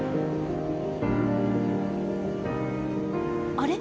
あれ？